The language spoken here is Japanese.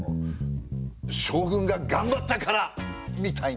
将軍が頑張ったからみたいな。